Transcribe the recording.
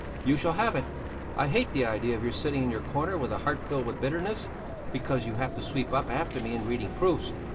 You shall have it! I hate the idea of your sitting in your corner with a heart filled with bitterness, because you have to sweep up after me in reading proofs.